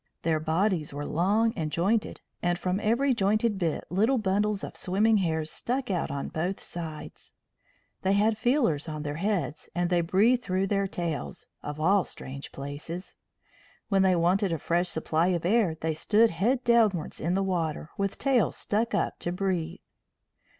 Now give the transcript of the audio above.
Their bodies were long and jointed, and from every jointed bit little bundles of swimming hairs stuck out on both sides. They had feelers on their heads, and they breathed through their tails of all strange places! When they wanted a fresh supply of air they stood head downwards in the water, with tails stuck up to breathe.